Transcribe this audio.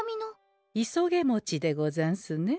いそげもちでござんすね。